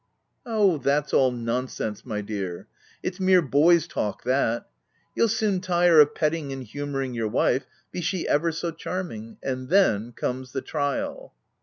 " Oh ! that's all nonsense, my dear — It's mere boy's talk that ! You'll soon tire of petting and humouring your wife, be she ever so charming, and then comes the trial."